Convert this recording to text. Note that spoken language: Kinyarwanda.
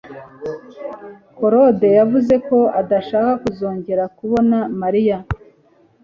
claude yavuze ko adashaka kuzongera kubona mariya